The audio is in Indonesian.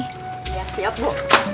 ya siap bu